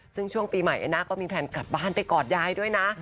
ซึ่งช่วงปีใหม่แอน่าก็มีแพลนกลับบ้านไปกอดยายด้วยนะ